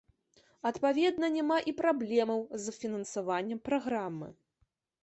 Адпаведна, няма і праблемаў з фінансаваннем праграмы.